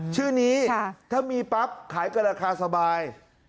ชื่อนี้ถ้ามีปั๊บขายเกินราคาสบาย